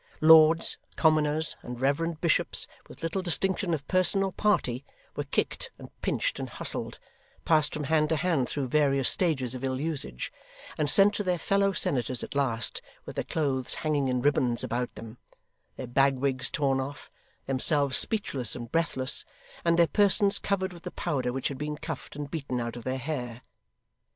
Lords, commoners, and reverend bishops, with little distinction of person or party, were kicked and pinched and hustled; passed from hand to hand through various stages of ill usage; and sent to their fellow senators at last with their clothes hanging in ribands about them, their bagwigs torn off, themselves speechless and breathless, and their persons covered with the powder which had been cuffed and beaten out of their hair.